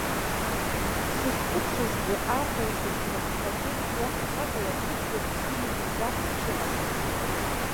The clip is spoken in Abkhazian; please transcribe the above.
Сышқәыԥшызгьы, арра-еибашьратә стратегк иаҳасабала сыӡбахә бзианы игартә сҽыҟасҵеит.